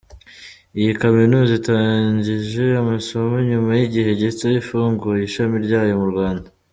Iyi Kaminuza itangije amasomo nyuma y’igihe gito ifunguye ishami ryayo mu Rwanda.